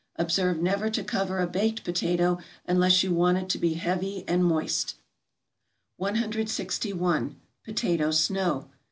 Observe never to cover a baked potato unless you want it to be heavy and moist. 161. =Potato Snow.